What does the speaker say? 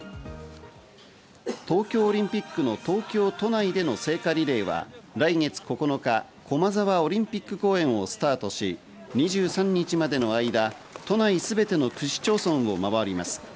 東京オリンピックの東京都内での聖火リレーは、来月９日、駒沢オリンピック公園をスタートし、２３日までの間、都内すべての区市町村をまわります。